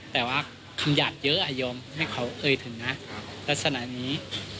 แต่ว่าคำหยาดเยอะยอมให้เขาเอ่ยถึงนะลักษณะนี้